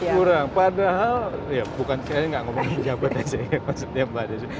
sangat kurang padahal ya bukan saya gak ngomongin pejabat aja ya maksudnya mbak aja